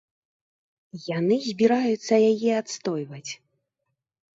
Яны збіраюцца яе адстойваць.